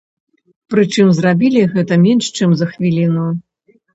Прычым зрабілі гэта менш чым за хвіліну.